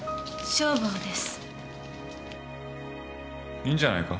いいんじゃないか？